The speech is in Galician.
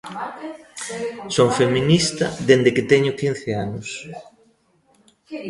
Son feminista dende que teño quince anos.